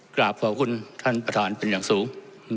กราบขอบคุณท่านประธานเป็นอย่างสูง